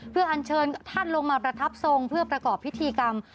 เพื่ออัญเชิญท่านลงมาประทับทรงเพื่อประกอบพิธีกรรม